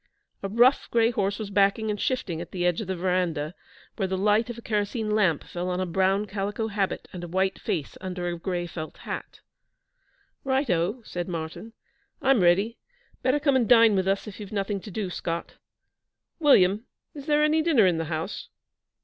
A rough gray horse was backing and shifting at the edge of the verandah, where the light of a kerosene lamp fell on a brown calico habit and a white face under a gray felt hat. 'Right, O,' said Martyn. 'I'm ready. Better come and dine with us if you've nothing to do, Scott. William, is there any dinner in the house?'